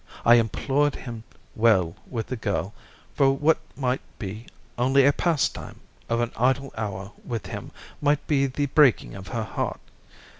I implored him to deal well with the girl, for what might be only a pastime of an idle hour with him might be the breaking of her heart.